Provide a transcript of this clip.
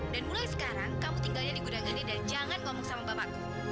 dan mulai sekarang kamu tinggal di gudang gandai dan jangan ngomong sama bapakku